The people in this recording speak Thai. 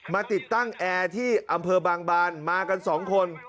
ติดตั้งแอร์ที่อำเภอบางบานมากันสองคน